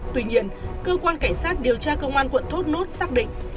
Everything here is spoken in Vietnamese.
tuy nhiên cơ quan cảnh sát điều tra công an quận thốt nốt xác định